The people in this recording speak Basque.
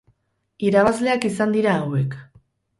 Irabazleak izan dira hauek.